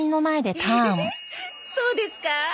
えっそうですか？